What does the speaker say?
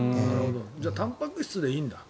じゃあたんぱく質でいいんだ。